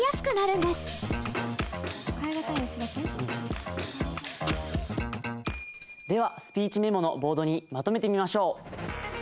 「替え難い」にすべき？ではスピーチメモのボードにまとめてみましょう。